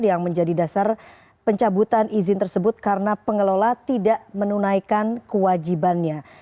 yang menjadi dasar pencabutan izin tersebut karena pengelola tidak menunaikan kewajibannya